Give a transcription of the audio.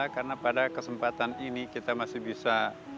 karena pada kesempatan ini kita masih bisa